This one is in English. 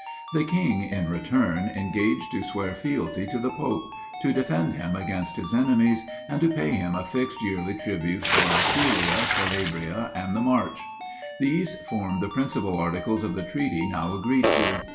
The king, in return, engaged to swear fealty to the pope; to defend him against his enemies; and to pay him a fixed yearly tribute for Apulia, Calabria, and the March. These formed the principal articles of the treaty now agreed to.